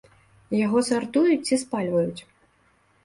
Яго сартуюць ці спальваюць?